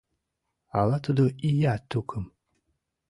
— Ала тудо ия тукым?